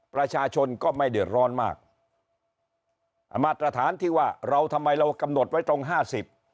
ประชาชนก็ไม่เดือดร้อนมากอ่ามาตรฐานที่ว่าเราทำไมเรากำหนดไว้ตรงห้าสิบ